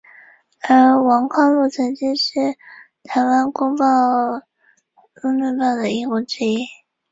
方家沟遗址的历史年代为新石器时代。